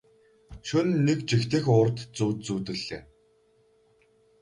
Шөнө нь нэг жигтэйхэн урт зүүд зүүдэллээ.